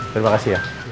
terima kasih ya